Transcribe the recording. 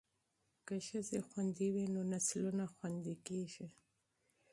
که ښځې خوندي وي نو نسلونه خوندي کیږي.